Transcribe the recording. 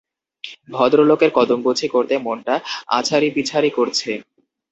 ভদ্রলোকের কদমবুছি করতে মনটা আছাড়িপিছাড়ি করছে।